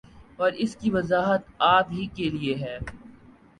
اور اس کی وضاحت آپ ہی کیلئے ہیں